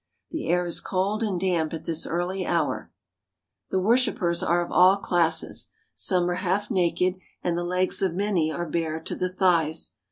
The air is cold and damp at this early hour. The worshipers are of all classes. Some are half naked, and the legs of many are bare to the thighs.